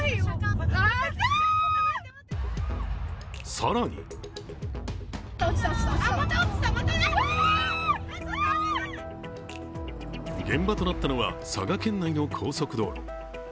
更に現場となったのは佐賀県内の高速道路。